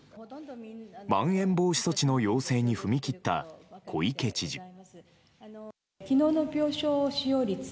まん延防止措置の要請に踏みきった小池知事。